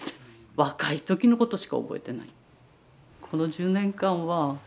若い時のことしか覚えてない。